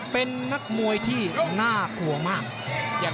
เป็นนักมวยที่น่ากลัวมาก